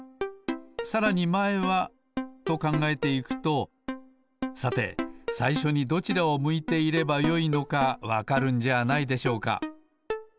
さらにまえはとかんがえていくとさてさいしょにどちらを向いていればよいのかわかるんじゃないでしょうか。